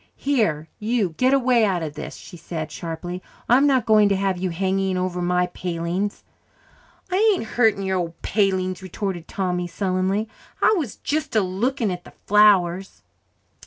"Here, you, get away out of this," she said sharply. "I'm not going to have you hanging over my palings." "I ain't hurting your old palings," retorted Tommy sullenly. "I was jist a looking at the flowers."